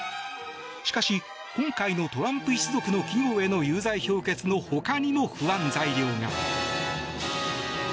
しかし、今回のトランプ一族の企業への有罪評決のほかにも不安材料が。